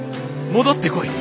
戻ってこい！』